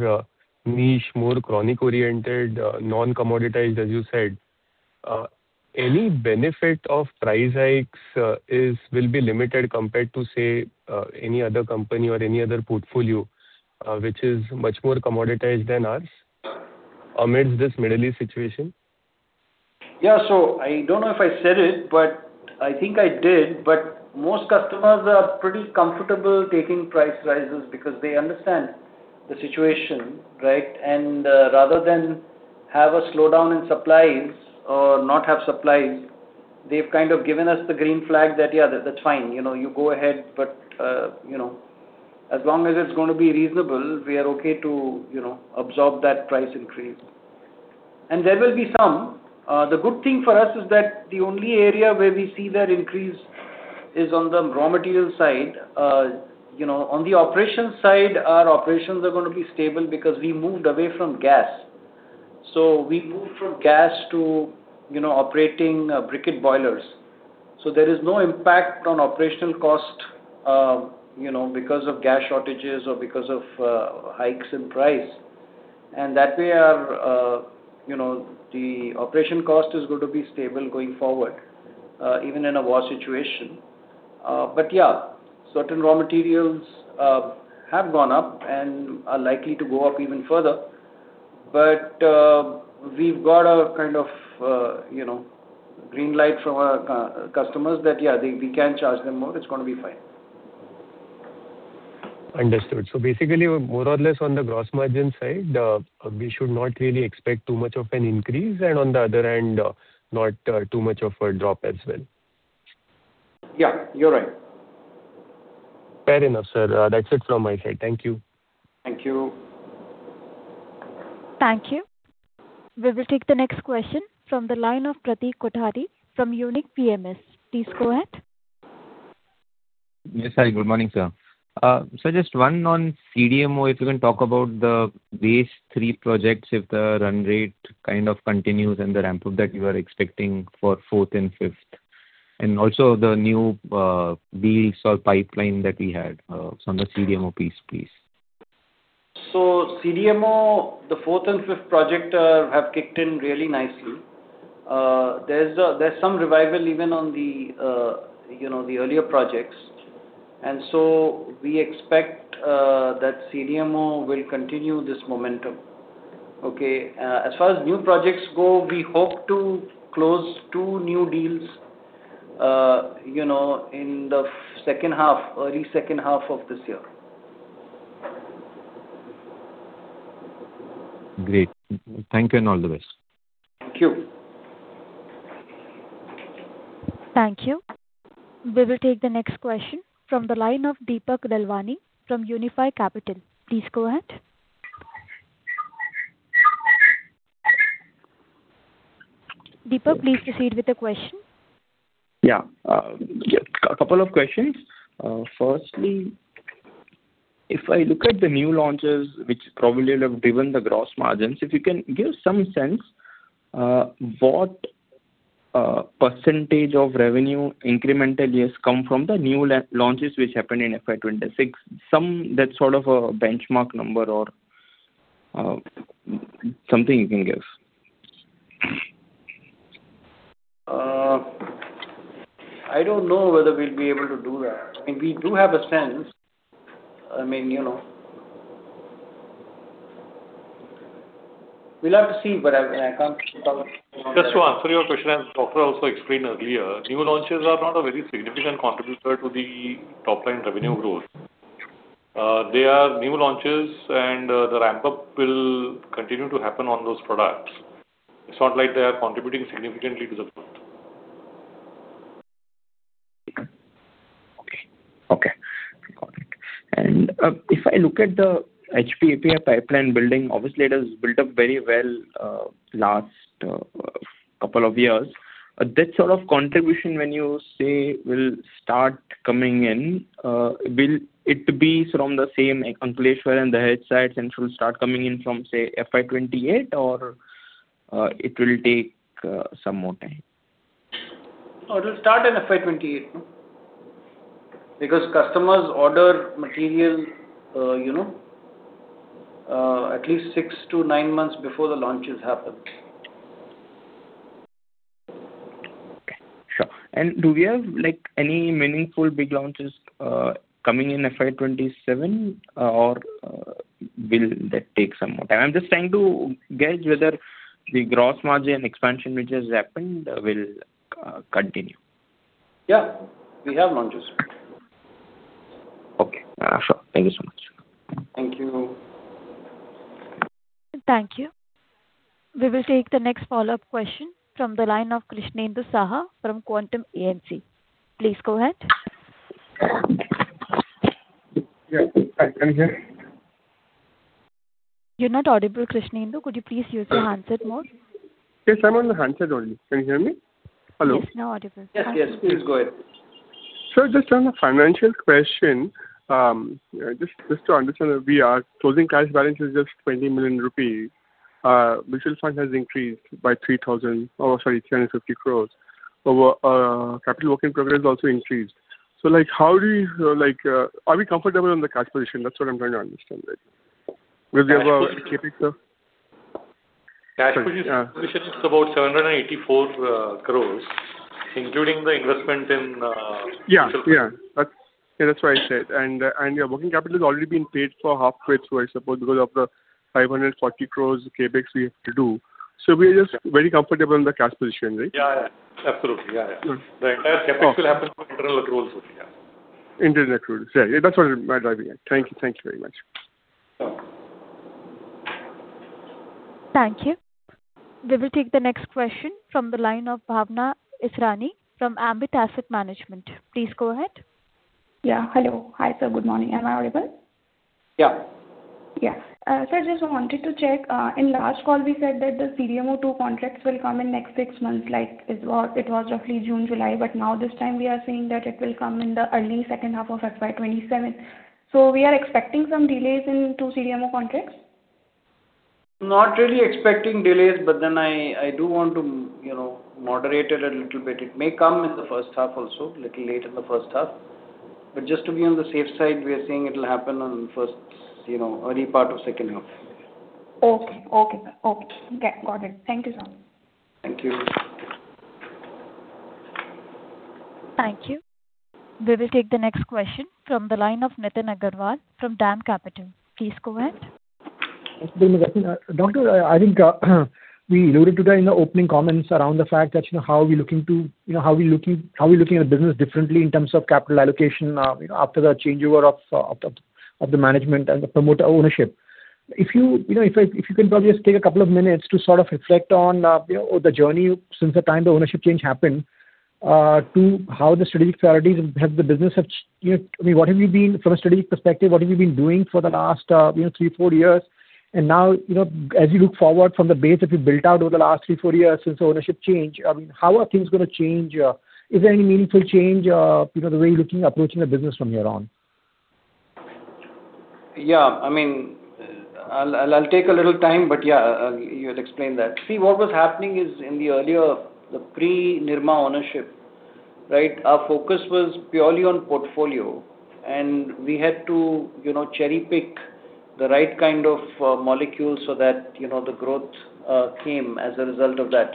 niche, more chronic oriented, non-commoditized, as you said, any benefit of price hikes will be limited compared to, say, any other company or any other portfolio, which is much more commoditized than ours amidst this Middle East situation? I don't know if I said it, but I think I did. Most customers are pretty comfortable taking price rises because they understand the situation, right? Rather than have a slowdown in supplies or not have supplies, they've kind of given us the green flag that, yeah, that's fine. You know, you go ahead, but, you know, as long as it's gonna be reasonable, we are okay to, you know, absorb that price increase. There will be some. The good thing for us is that the only area where we see that increase is on the raw material side. You know, on the operations side, our operations are gonna be stable because we moved away from gas. We moved from gas to, you know, operating briquette boilers. There is no impact on operational cost, you know, because of gas shortages or because of hikes in price. That way our, you know, the operation cost is going to be stable going forward, even in a war situation. Yeah, certain raw materials have gone up and are likely to go up even further. We've got a kind of, you know, green light from our customers that, yeah, we can charge them more. It's gonna be fine. Understood. Basically, more or less on the gross margin side, we should not really expect too much of an increase, and on the other end, not, too much of a drop as well. Yeah, you're right. Fair enough, sir. That's it from my side. Thank you. Thank you. Thank you. We will take the next question from the line of Pratik Kothari from Unique PMS. Please go ahead. Yes, hi. Good morning, sir. Just one on CDMO, if you can talk about the phase III projects, if the run rate kind of continues and the ramp-up that you are expecting for fourth and fifth. Also the new deals or pipeline that we had from the CDMO piece, please. CDMO, the fourth and fifth project have kicked in really nicely. There's some revival even on the, you know, the earlier projects. We expect that CDMO will continue this momentum. Okay. As far as new projects go, we hope to close two new deals, you know, in the second half, early second half of this year. Great. Thank you and all the best. Thank you. Thank you. We will take the next question from the line of Deepak Relwani from Unifi Capital. Please go ahead. Deepak, please proceed with the question. Yeah. Couple of questions. Firstly, if I look at the new launches, which probably would have driven the gross margins, if you can give some sense, what percentage of revenue incremental has come from the new launches which happened in FY 2026. Some that sort of a benchmark number or something you can give. I don't know whether we'll be able to do that. I mean, we do have a sense. I mean, you know we'll have to see, but I can't talk. Just to answer your question, as doctor also explained earlier, new launches are not a very significant contributor to the top-line revenue growth. They are new launches and the ramp-up will continue to happen on those products. It's not like they are contributing significantly to the growth. Okay. Okay. Got it. If I look at the HPAPI pipeline building, obviously it has built up very well, last couple of years. That sort of contribution when you say will start coming in, will it be from the same like Ankleshwar and Dahej site, since you'll start coming in from, say, FY 2028 or it will take some more time? It will start in FY 2028, no. Customers order material, you know, at least six to nine months before the launches happen. Okay. Sure. Do we have, like, any meaningful big launches coming in FY 2027 or will that take some more time? I'm just trying to gauge whether the gross margin expansion which has happened will continue. Yeah. We have launches. Sure. Thank you so much. Thank you. Thank you. We will take the next follow-up question from the line of Krishnendu Saha from Quantum AMC. Please go ahead. Yeah. Hi, can you hear me? You're not audible, Krishnendu. Could you please use your handset mode? Yes, I'm on the handset only. Can you hear me? Hello? Yes. Now audible. Yes. Yes. Please go ahead. Sir, just on the financial question, to understand that we are closing cash balance is just 20 million rupees. Mutual fund has increased by 350 crore. Capital work in progress also increased. Are we comfortable on the cash position? That's what I'm trying to understand. Cash position. Sorry. Yeah. cash position is about 784 crores, including the investment in. Yeah. Yeah. That's, yeah, that's what I said. Your working capital has already been paid for halfway through, I suppose, because of the 540 crores CapEx we have to do. We are just very comfortable in the cash position, right? Yeah, yeah. Absolutely. Yeah, yeah. Good. The entire CapEx will happen from internal accruals only. Yeah. Internal accruals. Yeah, yeah, that's what I. Thank you. Thank you very much. Thank you. We will take the next question from the line of Bhawana Israni from Ambit Asset Management. Please go ahead. Yeah. Hello. Hi, sir. Good morning. Am I audible? Yeah. Yeah. Sir, just wanted to check, in last call we said that the CDMO 2 contracts will come in next six months, like it was roughly June, July. Now this time we are saying that it will come in the early second half of FY 2027. We are expecting some delays in two CDMO contracts? Not really expecting delays, I do want to, you know, moderate it a little bit. It may come in the first half also, little late in the first half. Just to be on the safe side, we are saying it'll happen, you know, early part of second half. Okay. Okay. Okay. Okay, got it. Thank you, sir. Thank you. Thank you. We will take the next question from the line of Nitin Agarwal from DAM Capital. Please go ahead. Good morning. Doctor, I think, we alluded today in the opening comments around the fact that, you know, how we're looking at the business differently in terms of capital allocation, you know, after the changeover of the management and the promoter ownership. If you know, if you can probably just take a couple of minutes to sort of reflect on, you know, the journey since the time the ownership change happened, to how the strategic priorities have the business, you know, I mean, what have you been From a strategic perspective, what have you been doing for the last, you know, three, four years? Now, you know, as you look forward from the base that you built out over the last three, four years since ownership change, how are things gonna change? Is there any meaningful change, you know, the way you're looking, approaching the business from here on? Yeah. I mean, I'll take a little time, but yeah, you had explained that. See, what was happening is in the earlier, the pre-Nirma ownership, right, our focus was purely on portfolio, and we had to, you know, cherry-pick the right kind of molecules so that, you know, the growth came as a result of that.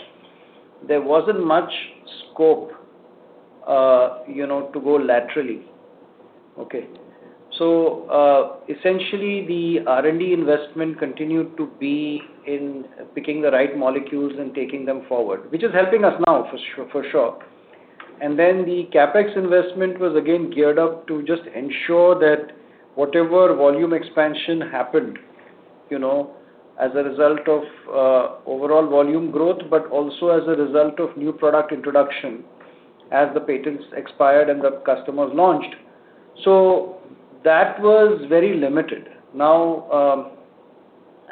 There wasn't much scope, you know, to go laterally. Okay. Essentially the R&D investment continued to be in picking the right molecules and taking them forward, which is helping us now for sure. The CapEx investment was again geared up to just ensure that whatever volume expansion happened, you know, as a result of overall volume growth, but also as a result of new product introduction as the patents expired and the customers launched. That was very limited.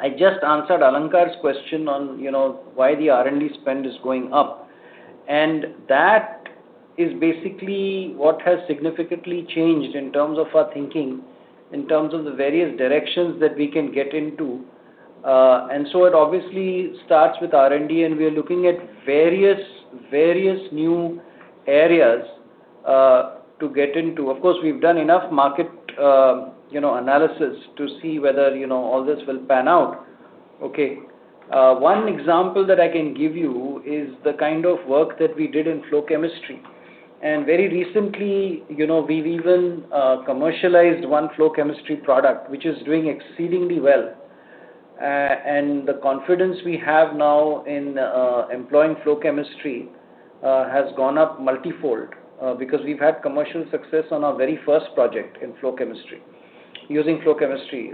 I just answered Alankar's question on, you know, why the R&D spend is going up. That is basically what has significantly changed in terms of our thinking, in terms of the various directions that we can get into. It obviously starts with R&D, and we are looking at various new areas to get into. Of course, we've done enough market, you know, analysis to see whether, you know, all this will pan out. Okay. One example that I can give you is the kind of work that we did in flow chemistry. Very recently, you know, we've even commercialized one flow chemistry product, which is doing exceedingly well. The confidence we have now in employing flow chemistry has gone up multifold because we've had commercial success on our very first project in flow chemistry, using flow chemistry,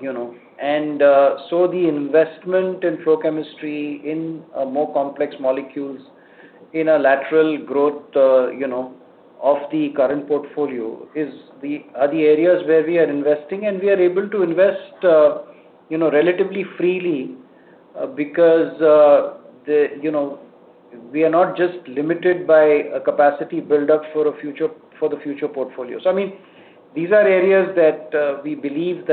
you know. The investment in flow chemistry in more complex molecules in a lateral growth, you know, of the current portfolio are the areas where we are investing, and we are able to invest, you know, relatively freely, because the you know, we are not just limited by a capacity buildup for the future portfolio. I mean, these are areas that we believe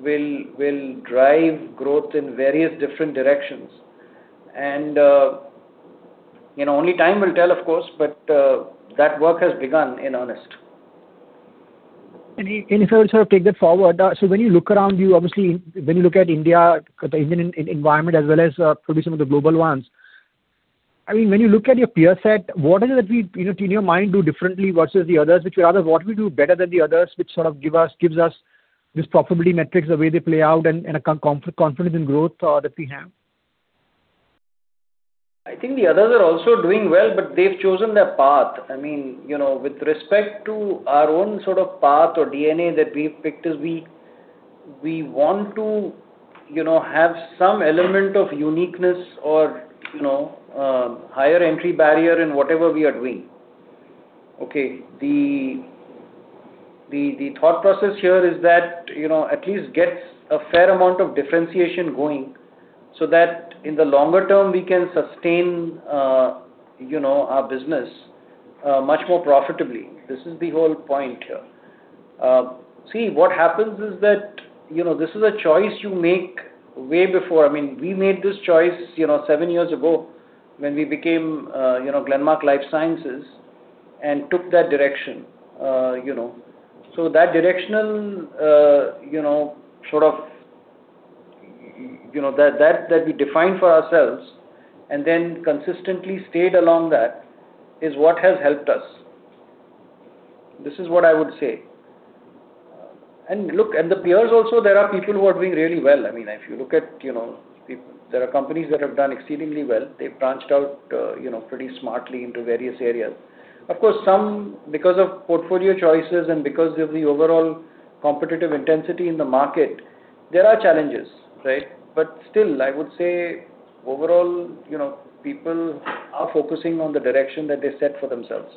will drive growth in various different directions. You know, only time will tell, of course, but that work has begun in earnest. If I would sort of take that forward. When you look around you, obviously when you look at India, the Indian environment as well as, probably some of the global ones. I mean, when you look at your peer set, what is it that we, you know, in your mind do differently versus the others, which rather what we do better than the others, which sort of gives us this profitability metrics, the way they play out and a confidence in growth, that we have? I think the others are also doing well. They've chosen their path. I mean, you know, with respect to our own sort of path or DNA that we've picked is we want to, you know, have some element of uniqueness or, you know, higher entry barrier in whatever we are doing. Okay. The thought process here is that, you know, at least gets a fair amount of differentiation going so that in the longer term, we can sustain, you know, our business much more profitably. This is the whole point here. See, what happens is that, you know, this is a choice you make way before. I mean, we made this choice, you know, seven years ago when we became, you know, Glenmark Life Sciences and took that direction, you know. That directional, you know, sort of, you know, that, that we defined for ourselves and then consistently stayed along that is what has helped us. This is what I would say. Look, and the peers also, there are people who are doing really well. I mean, if you look at, you know, There are companies that have done exceedingly well. They've branched out, you know, pretty smartly into various areas. Of course, some because of portfolio choices and because of the overall competitive intensity in the market, there are challenges, right? Still, I would say overall, you know, people are focusing on the direction that they set for themselves.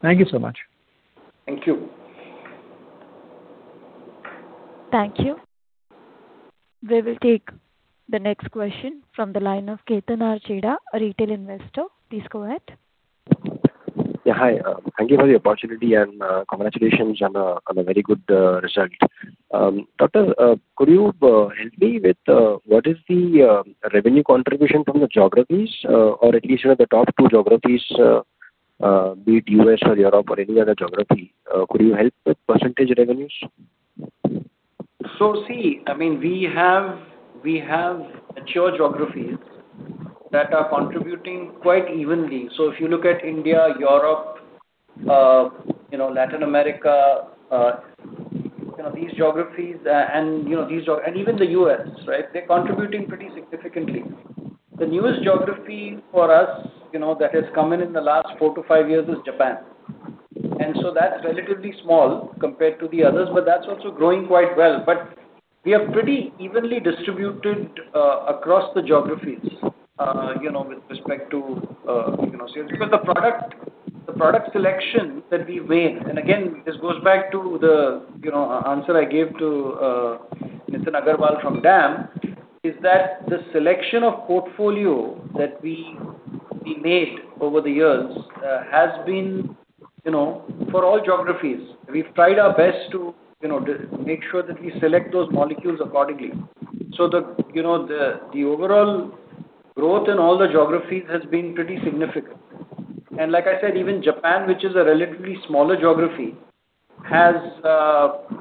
Thank you so much. Thank you. Thank you. We will take the next question from the line of Ketan Acharya, a retail investor. Please go ahead. Yeah, hi. Thank you for the opportunity and congratulations on a very good result. Doctor, could you help me with what is the revenue contribution from the geographies, or at least, you know, the top two geographies, be it U.S. or Europe or any other geography? Could you help with percentage revenues? I mean, we have mature geographies that are contributing quite evenly. If you look at India, Europe, you know, Latin America, you know, these geographies, and even the U.S., right? They're contributing pretty significantly. The newest geography for us, you know, that has come in in the last four to five years is Japan. That's relatively small compared to the others, but that's also growing quite well. We are pretty evenly distributed across the geographies, you know, with respect to, you know. Because the product selection that we made, and again, this goes back to the, you know, answer I gave to Mr. Agarwal from DAM, is that the selection of portfolio that we made over the years has been, you know, for all geographies. We've tried our best to, you know, make sure that we select those molecules accordingly. The, you know, the overall growth in all the geographies has been pretty significant. Like I said, even Japan, which is a relatively smaller geography, has,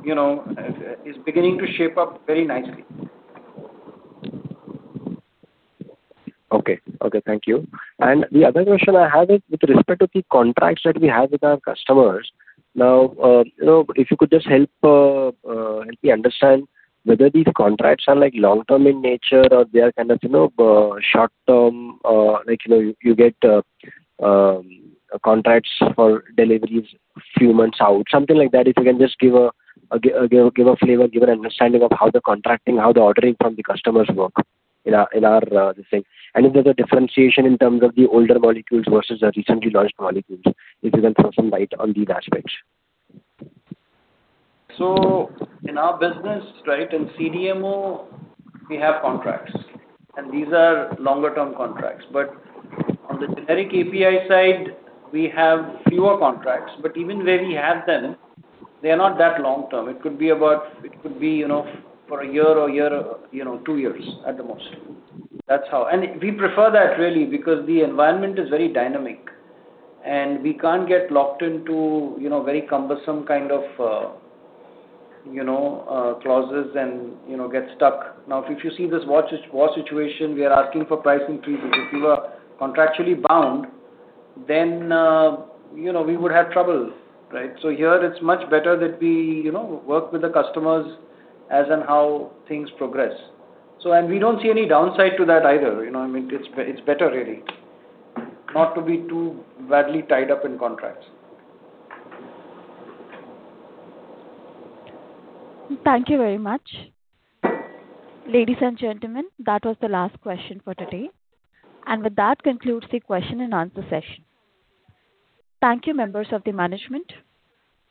you know, is beginning to shape up very nicely. Okay. Okay, thank you. The other question I have is with respect to the contracts that we have with our customers. Now, you know, if you could just help me understand whether these contracts are like long-term in nature or they are kind of, you know, short-term, like, you know, you get contracts for deliveries few months out, something like that. If you can just give a flavor, give an understanding of how the contracting, how the ordering from the customers work in our, in our, this thing. If there's a differentiation in terms of the older molecules versus the recently launched molecules, if you can throw some light on these aspects. In our business, right, in CDMO, we have contracts, and these are longer term contracts. On the generic API side, we have fewer contracts. Even where we have them, they are not that long-term. It could be, you know, for a year or two years at the most. That's how. We prefer that really because the environment is very dynamic and we can't get locked into, you know, very cumbersome kind of, you know, clauses and, you know, get stuck. Now, if you see this war situation, we are asking for pricing increases. If we were contractually bound then, you know, we would have trouble, right? Here it's much better that we, you know, work with the customers as and how things progress. We don't see any downside to that either. You know what I mean? It's, it's better really not to be too badly tied up in contracts. Thank you very much. Ladies and gentlemen, that was the last question for today. With that concludes the question-and-answer session. Thank you, members of the management.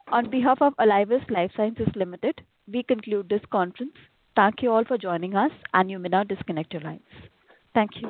On behalf of Alivus Life Sciences Limited, we conclude this conference. Thank you all for joining us and you may now disconnect your lines. Thank you.